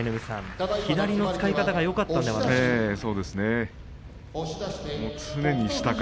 左の使い方がよかったんじゃないでしょうか。